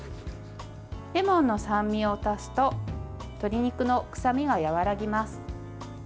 レモンの酸味を足すと鶏肉の臭みが和らぎます。